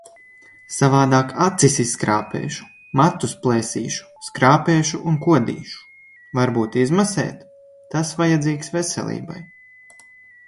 Savādāk acis izskrāpēšu, matus plēsīšu, skrāpēšu un kodīšu. Varbūt izmasēt? Tas vajadzīgs veselībai.